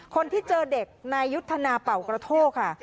คนที่เจอเด็กนายยุทธนาเป่ากระโทกค่ะ